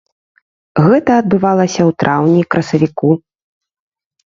Гэта адбывалася ў траўні, красавіку.